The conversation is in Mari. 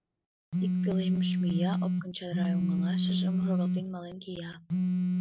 Ик пӧлемыш мия, Опкын чара оҥылашыжым шогалтен мален кия.